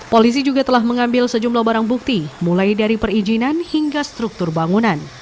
polisi juga telah mengambil sejumlah barang bukti mulai dari perizinan hingga struktur bangunan